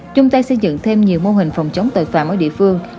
chung tay xây dựng thêm nhiều mô hình phòng chống tội phạm ở địa phương